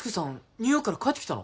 ニューヨークから帰ってきたの？